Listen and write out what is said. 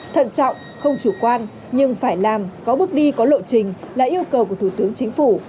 thận trọng không chủ quan nhưng phải làm có bước đi có lộ trình là yêu cầu của thủ tướng chính phủ